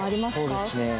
そうですね